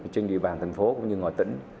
trên địa bàn thành phố cũng như ngoài tỉnh